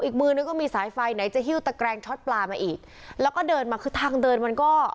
อีกมือนึงก็มีสายไฟไหนจะหิ้วตะแกรงช็อตปลามาอีกแล้วก็เดินมาคือทางเดินมันก็